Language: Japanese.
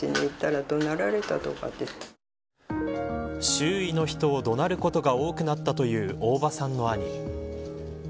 周囲の人を怒鳴ることが多くなったという大場さんの兄。